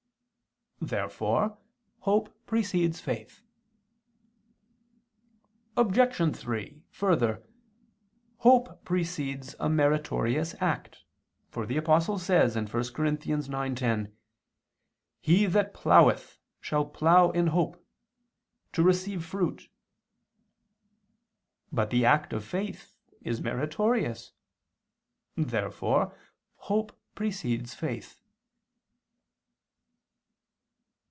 Therefore hope precedes faith. Obj. 3: Further, hope precedes a meritorious act, for the Apostle says (1 Cor. 9:10): "He that plougheth should plough in hope ... to receive fruit." But the act of faith is meritorious. Therefore hope precedes faith.